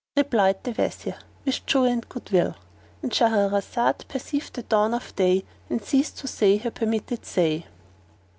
Replied the Wazir, "With joy and good will."—And Shahrazad perceived the dawn of day and ceased to say her permitted say.